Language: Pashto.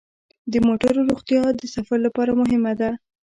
د موټرو روغتیا د سفر لپاره مهمه ده.